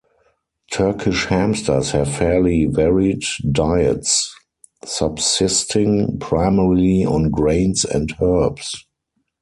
Turkish hamsters have fairly varied diets, subsisting primarily on grains and herbs.